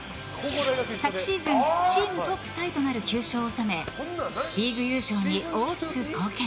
昨シーズンチームトップタイとなる９勝を収めリーグ優勝に大きく貢献。